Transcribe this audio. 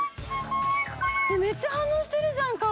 めっちゃ反応してるじゃん、顔。